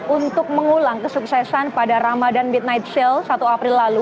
untuk mengulang kesuksesan pada ramadan midnight sale satu april lalu